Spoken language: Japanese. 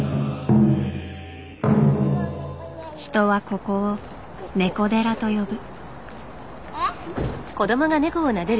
人はここを「ねこ寺」と呼ぶ。